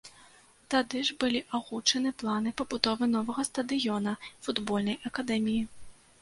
Тады ж былі агучаны планы пабудовы новага стадыёна, футбольнай акадэміі.